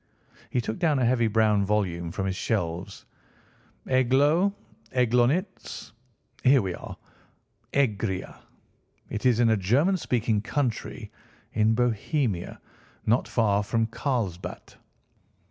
He took down a heavy brown volume from his shelves. "Eglow, Eglonitz—here we are, Egria. It is in a German speaking country—in Bohemia, not far from Carlsbad.